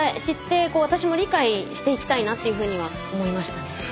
知って私も理解していきたいなというふうには思いましたね。